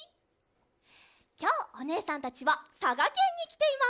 きょうおねえさんたちはさがけんにきています！